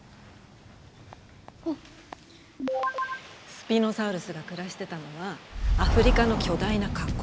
スピノサウルスが暮らしてたのはアフリカの巨大な河口。